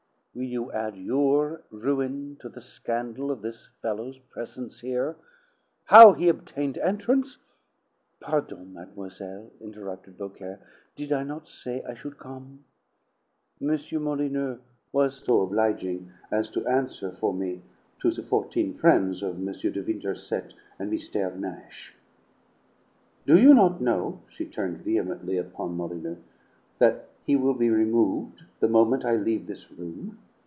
"Will you add your ruin to the scandal of this fellow's presence here? How he obtained entrance " "Pardon, mademoiselle," interrupted Beaucaire. "Did I not say I should come? M. Molyneux was so obliging as to answer for me to the fourteen frien's of M. de Winterset and Meestaire Nash." "Do you not know," she turned vehemently upon Molyneux, "that he will be removed the moment I leave this room?